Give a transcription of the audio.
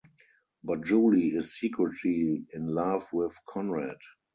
But Julie is secretly in love with Conrad.